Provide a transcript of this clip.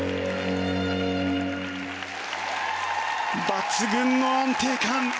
抜群の安定感。